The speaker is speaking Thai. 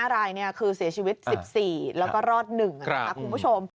๕รายคือเสียชีวิต๑๔แล้วก็รอด๑นะคะคุณผู้ชม